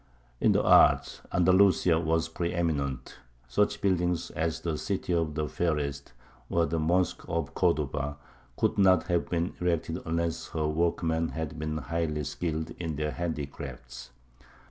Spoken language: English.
In the arts Andalusia was pre eminent; such buildings as the "City of the Fairest," or the mosque of Cordova, could not have been erected unless her workmen had been highly skilled in their handicrafts.